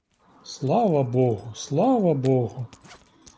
Слава богу, слава богу!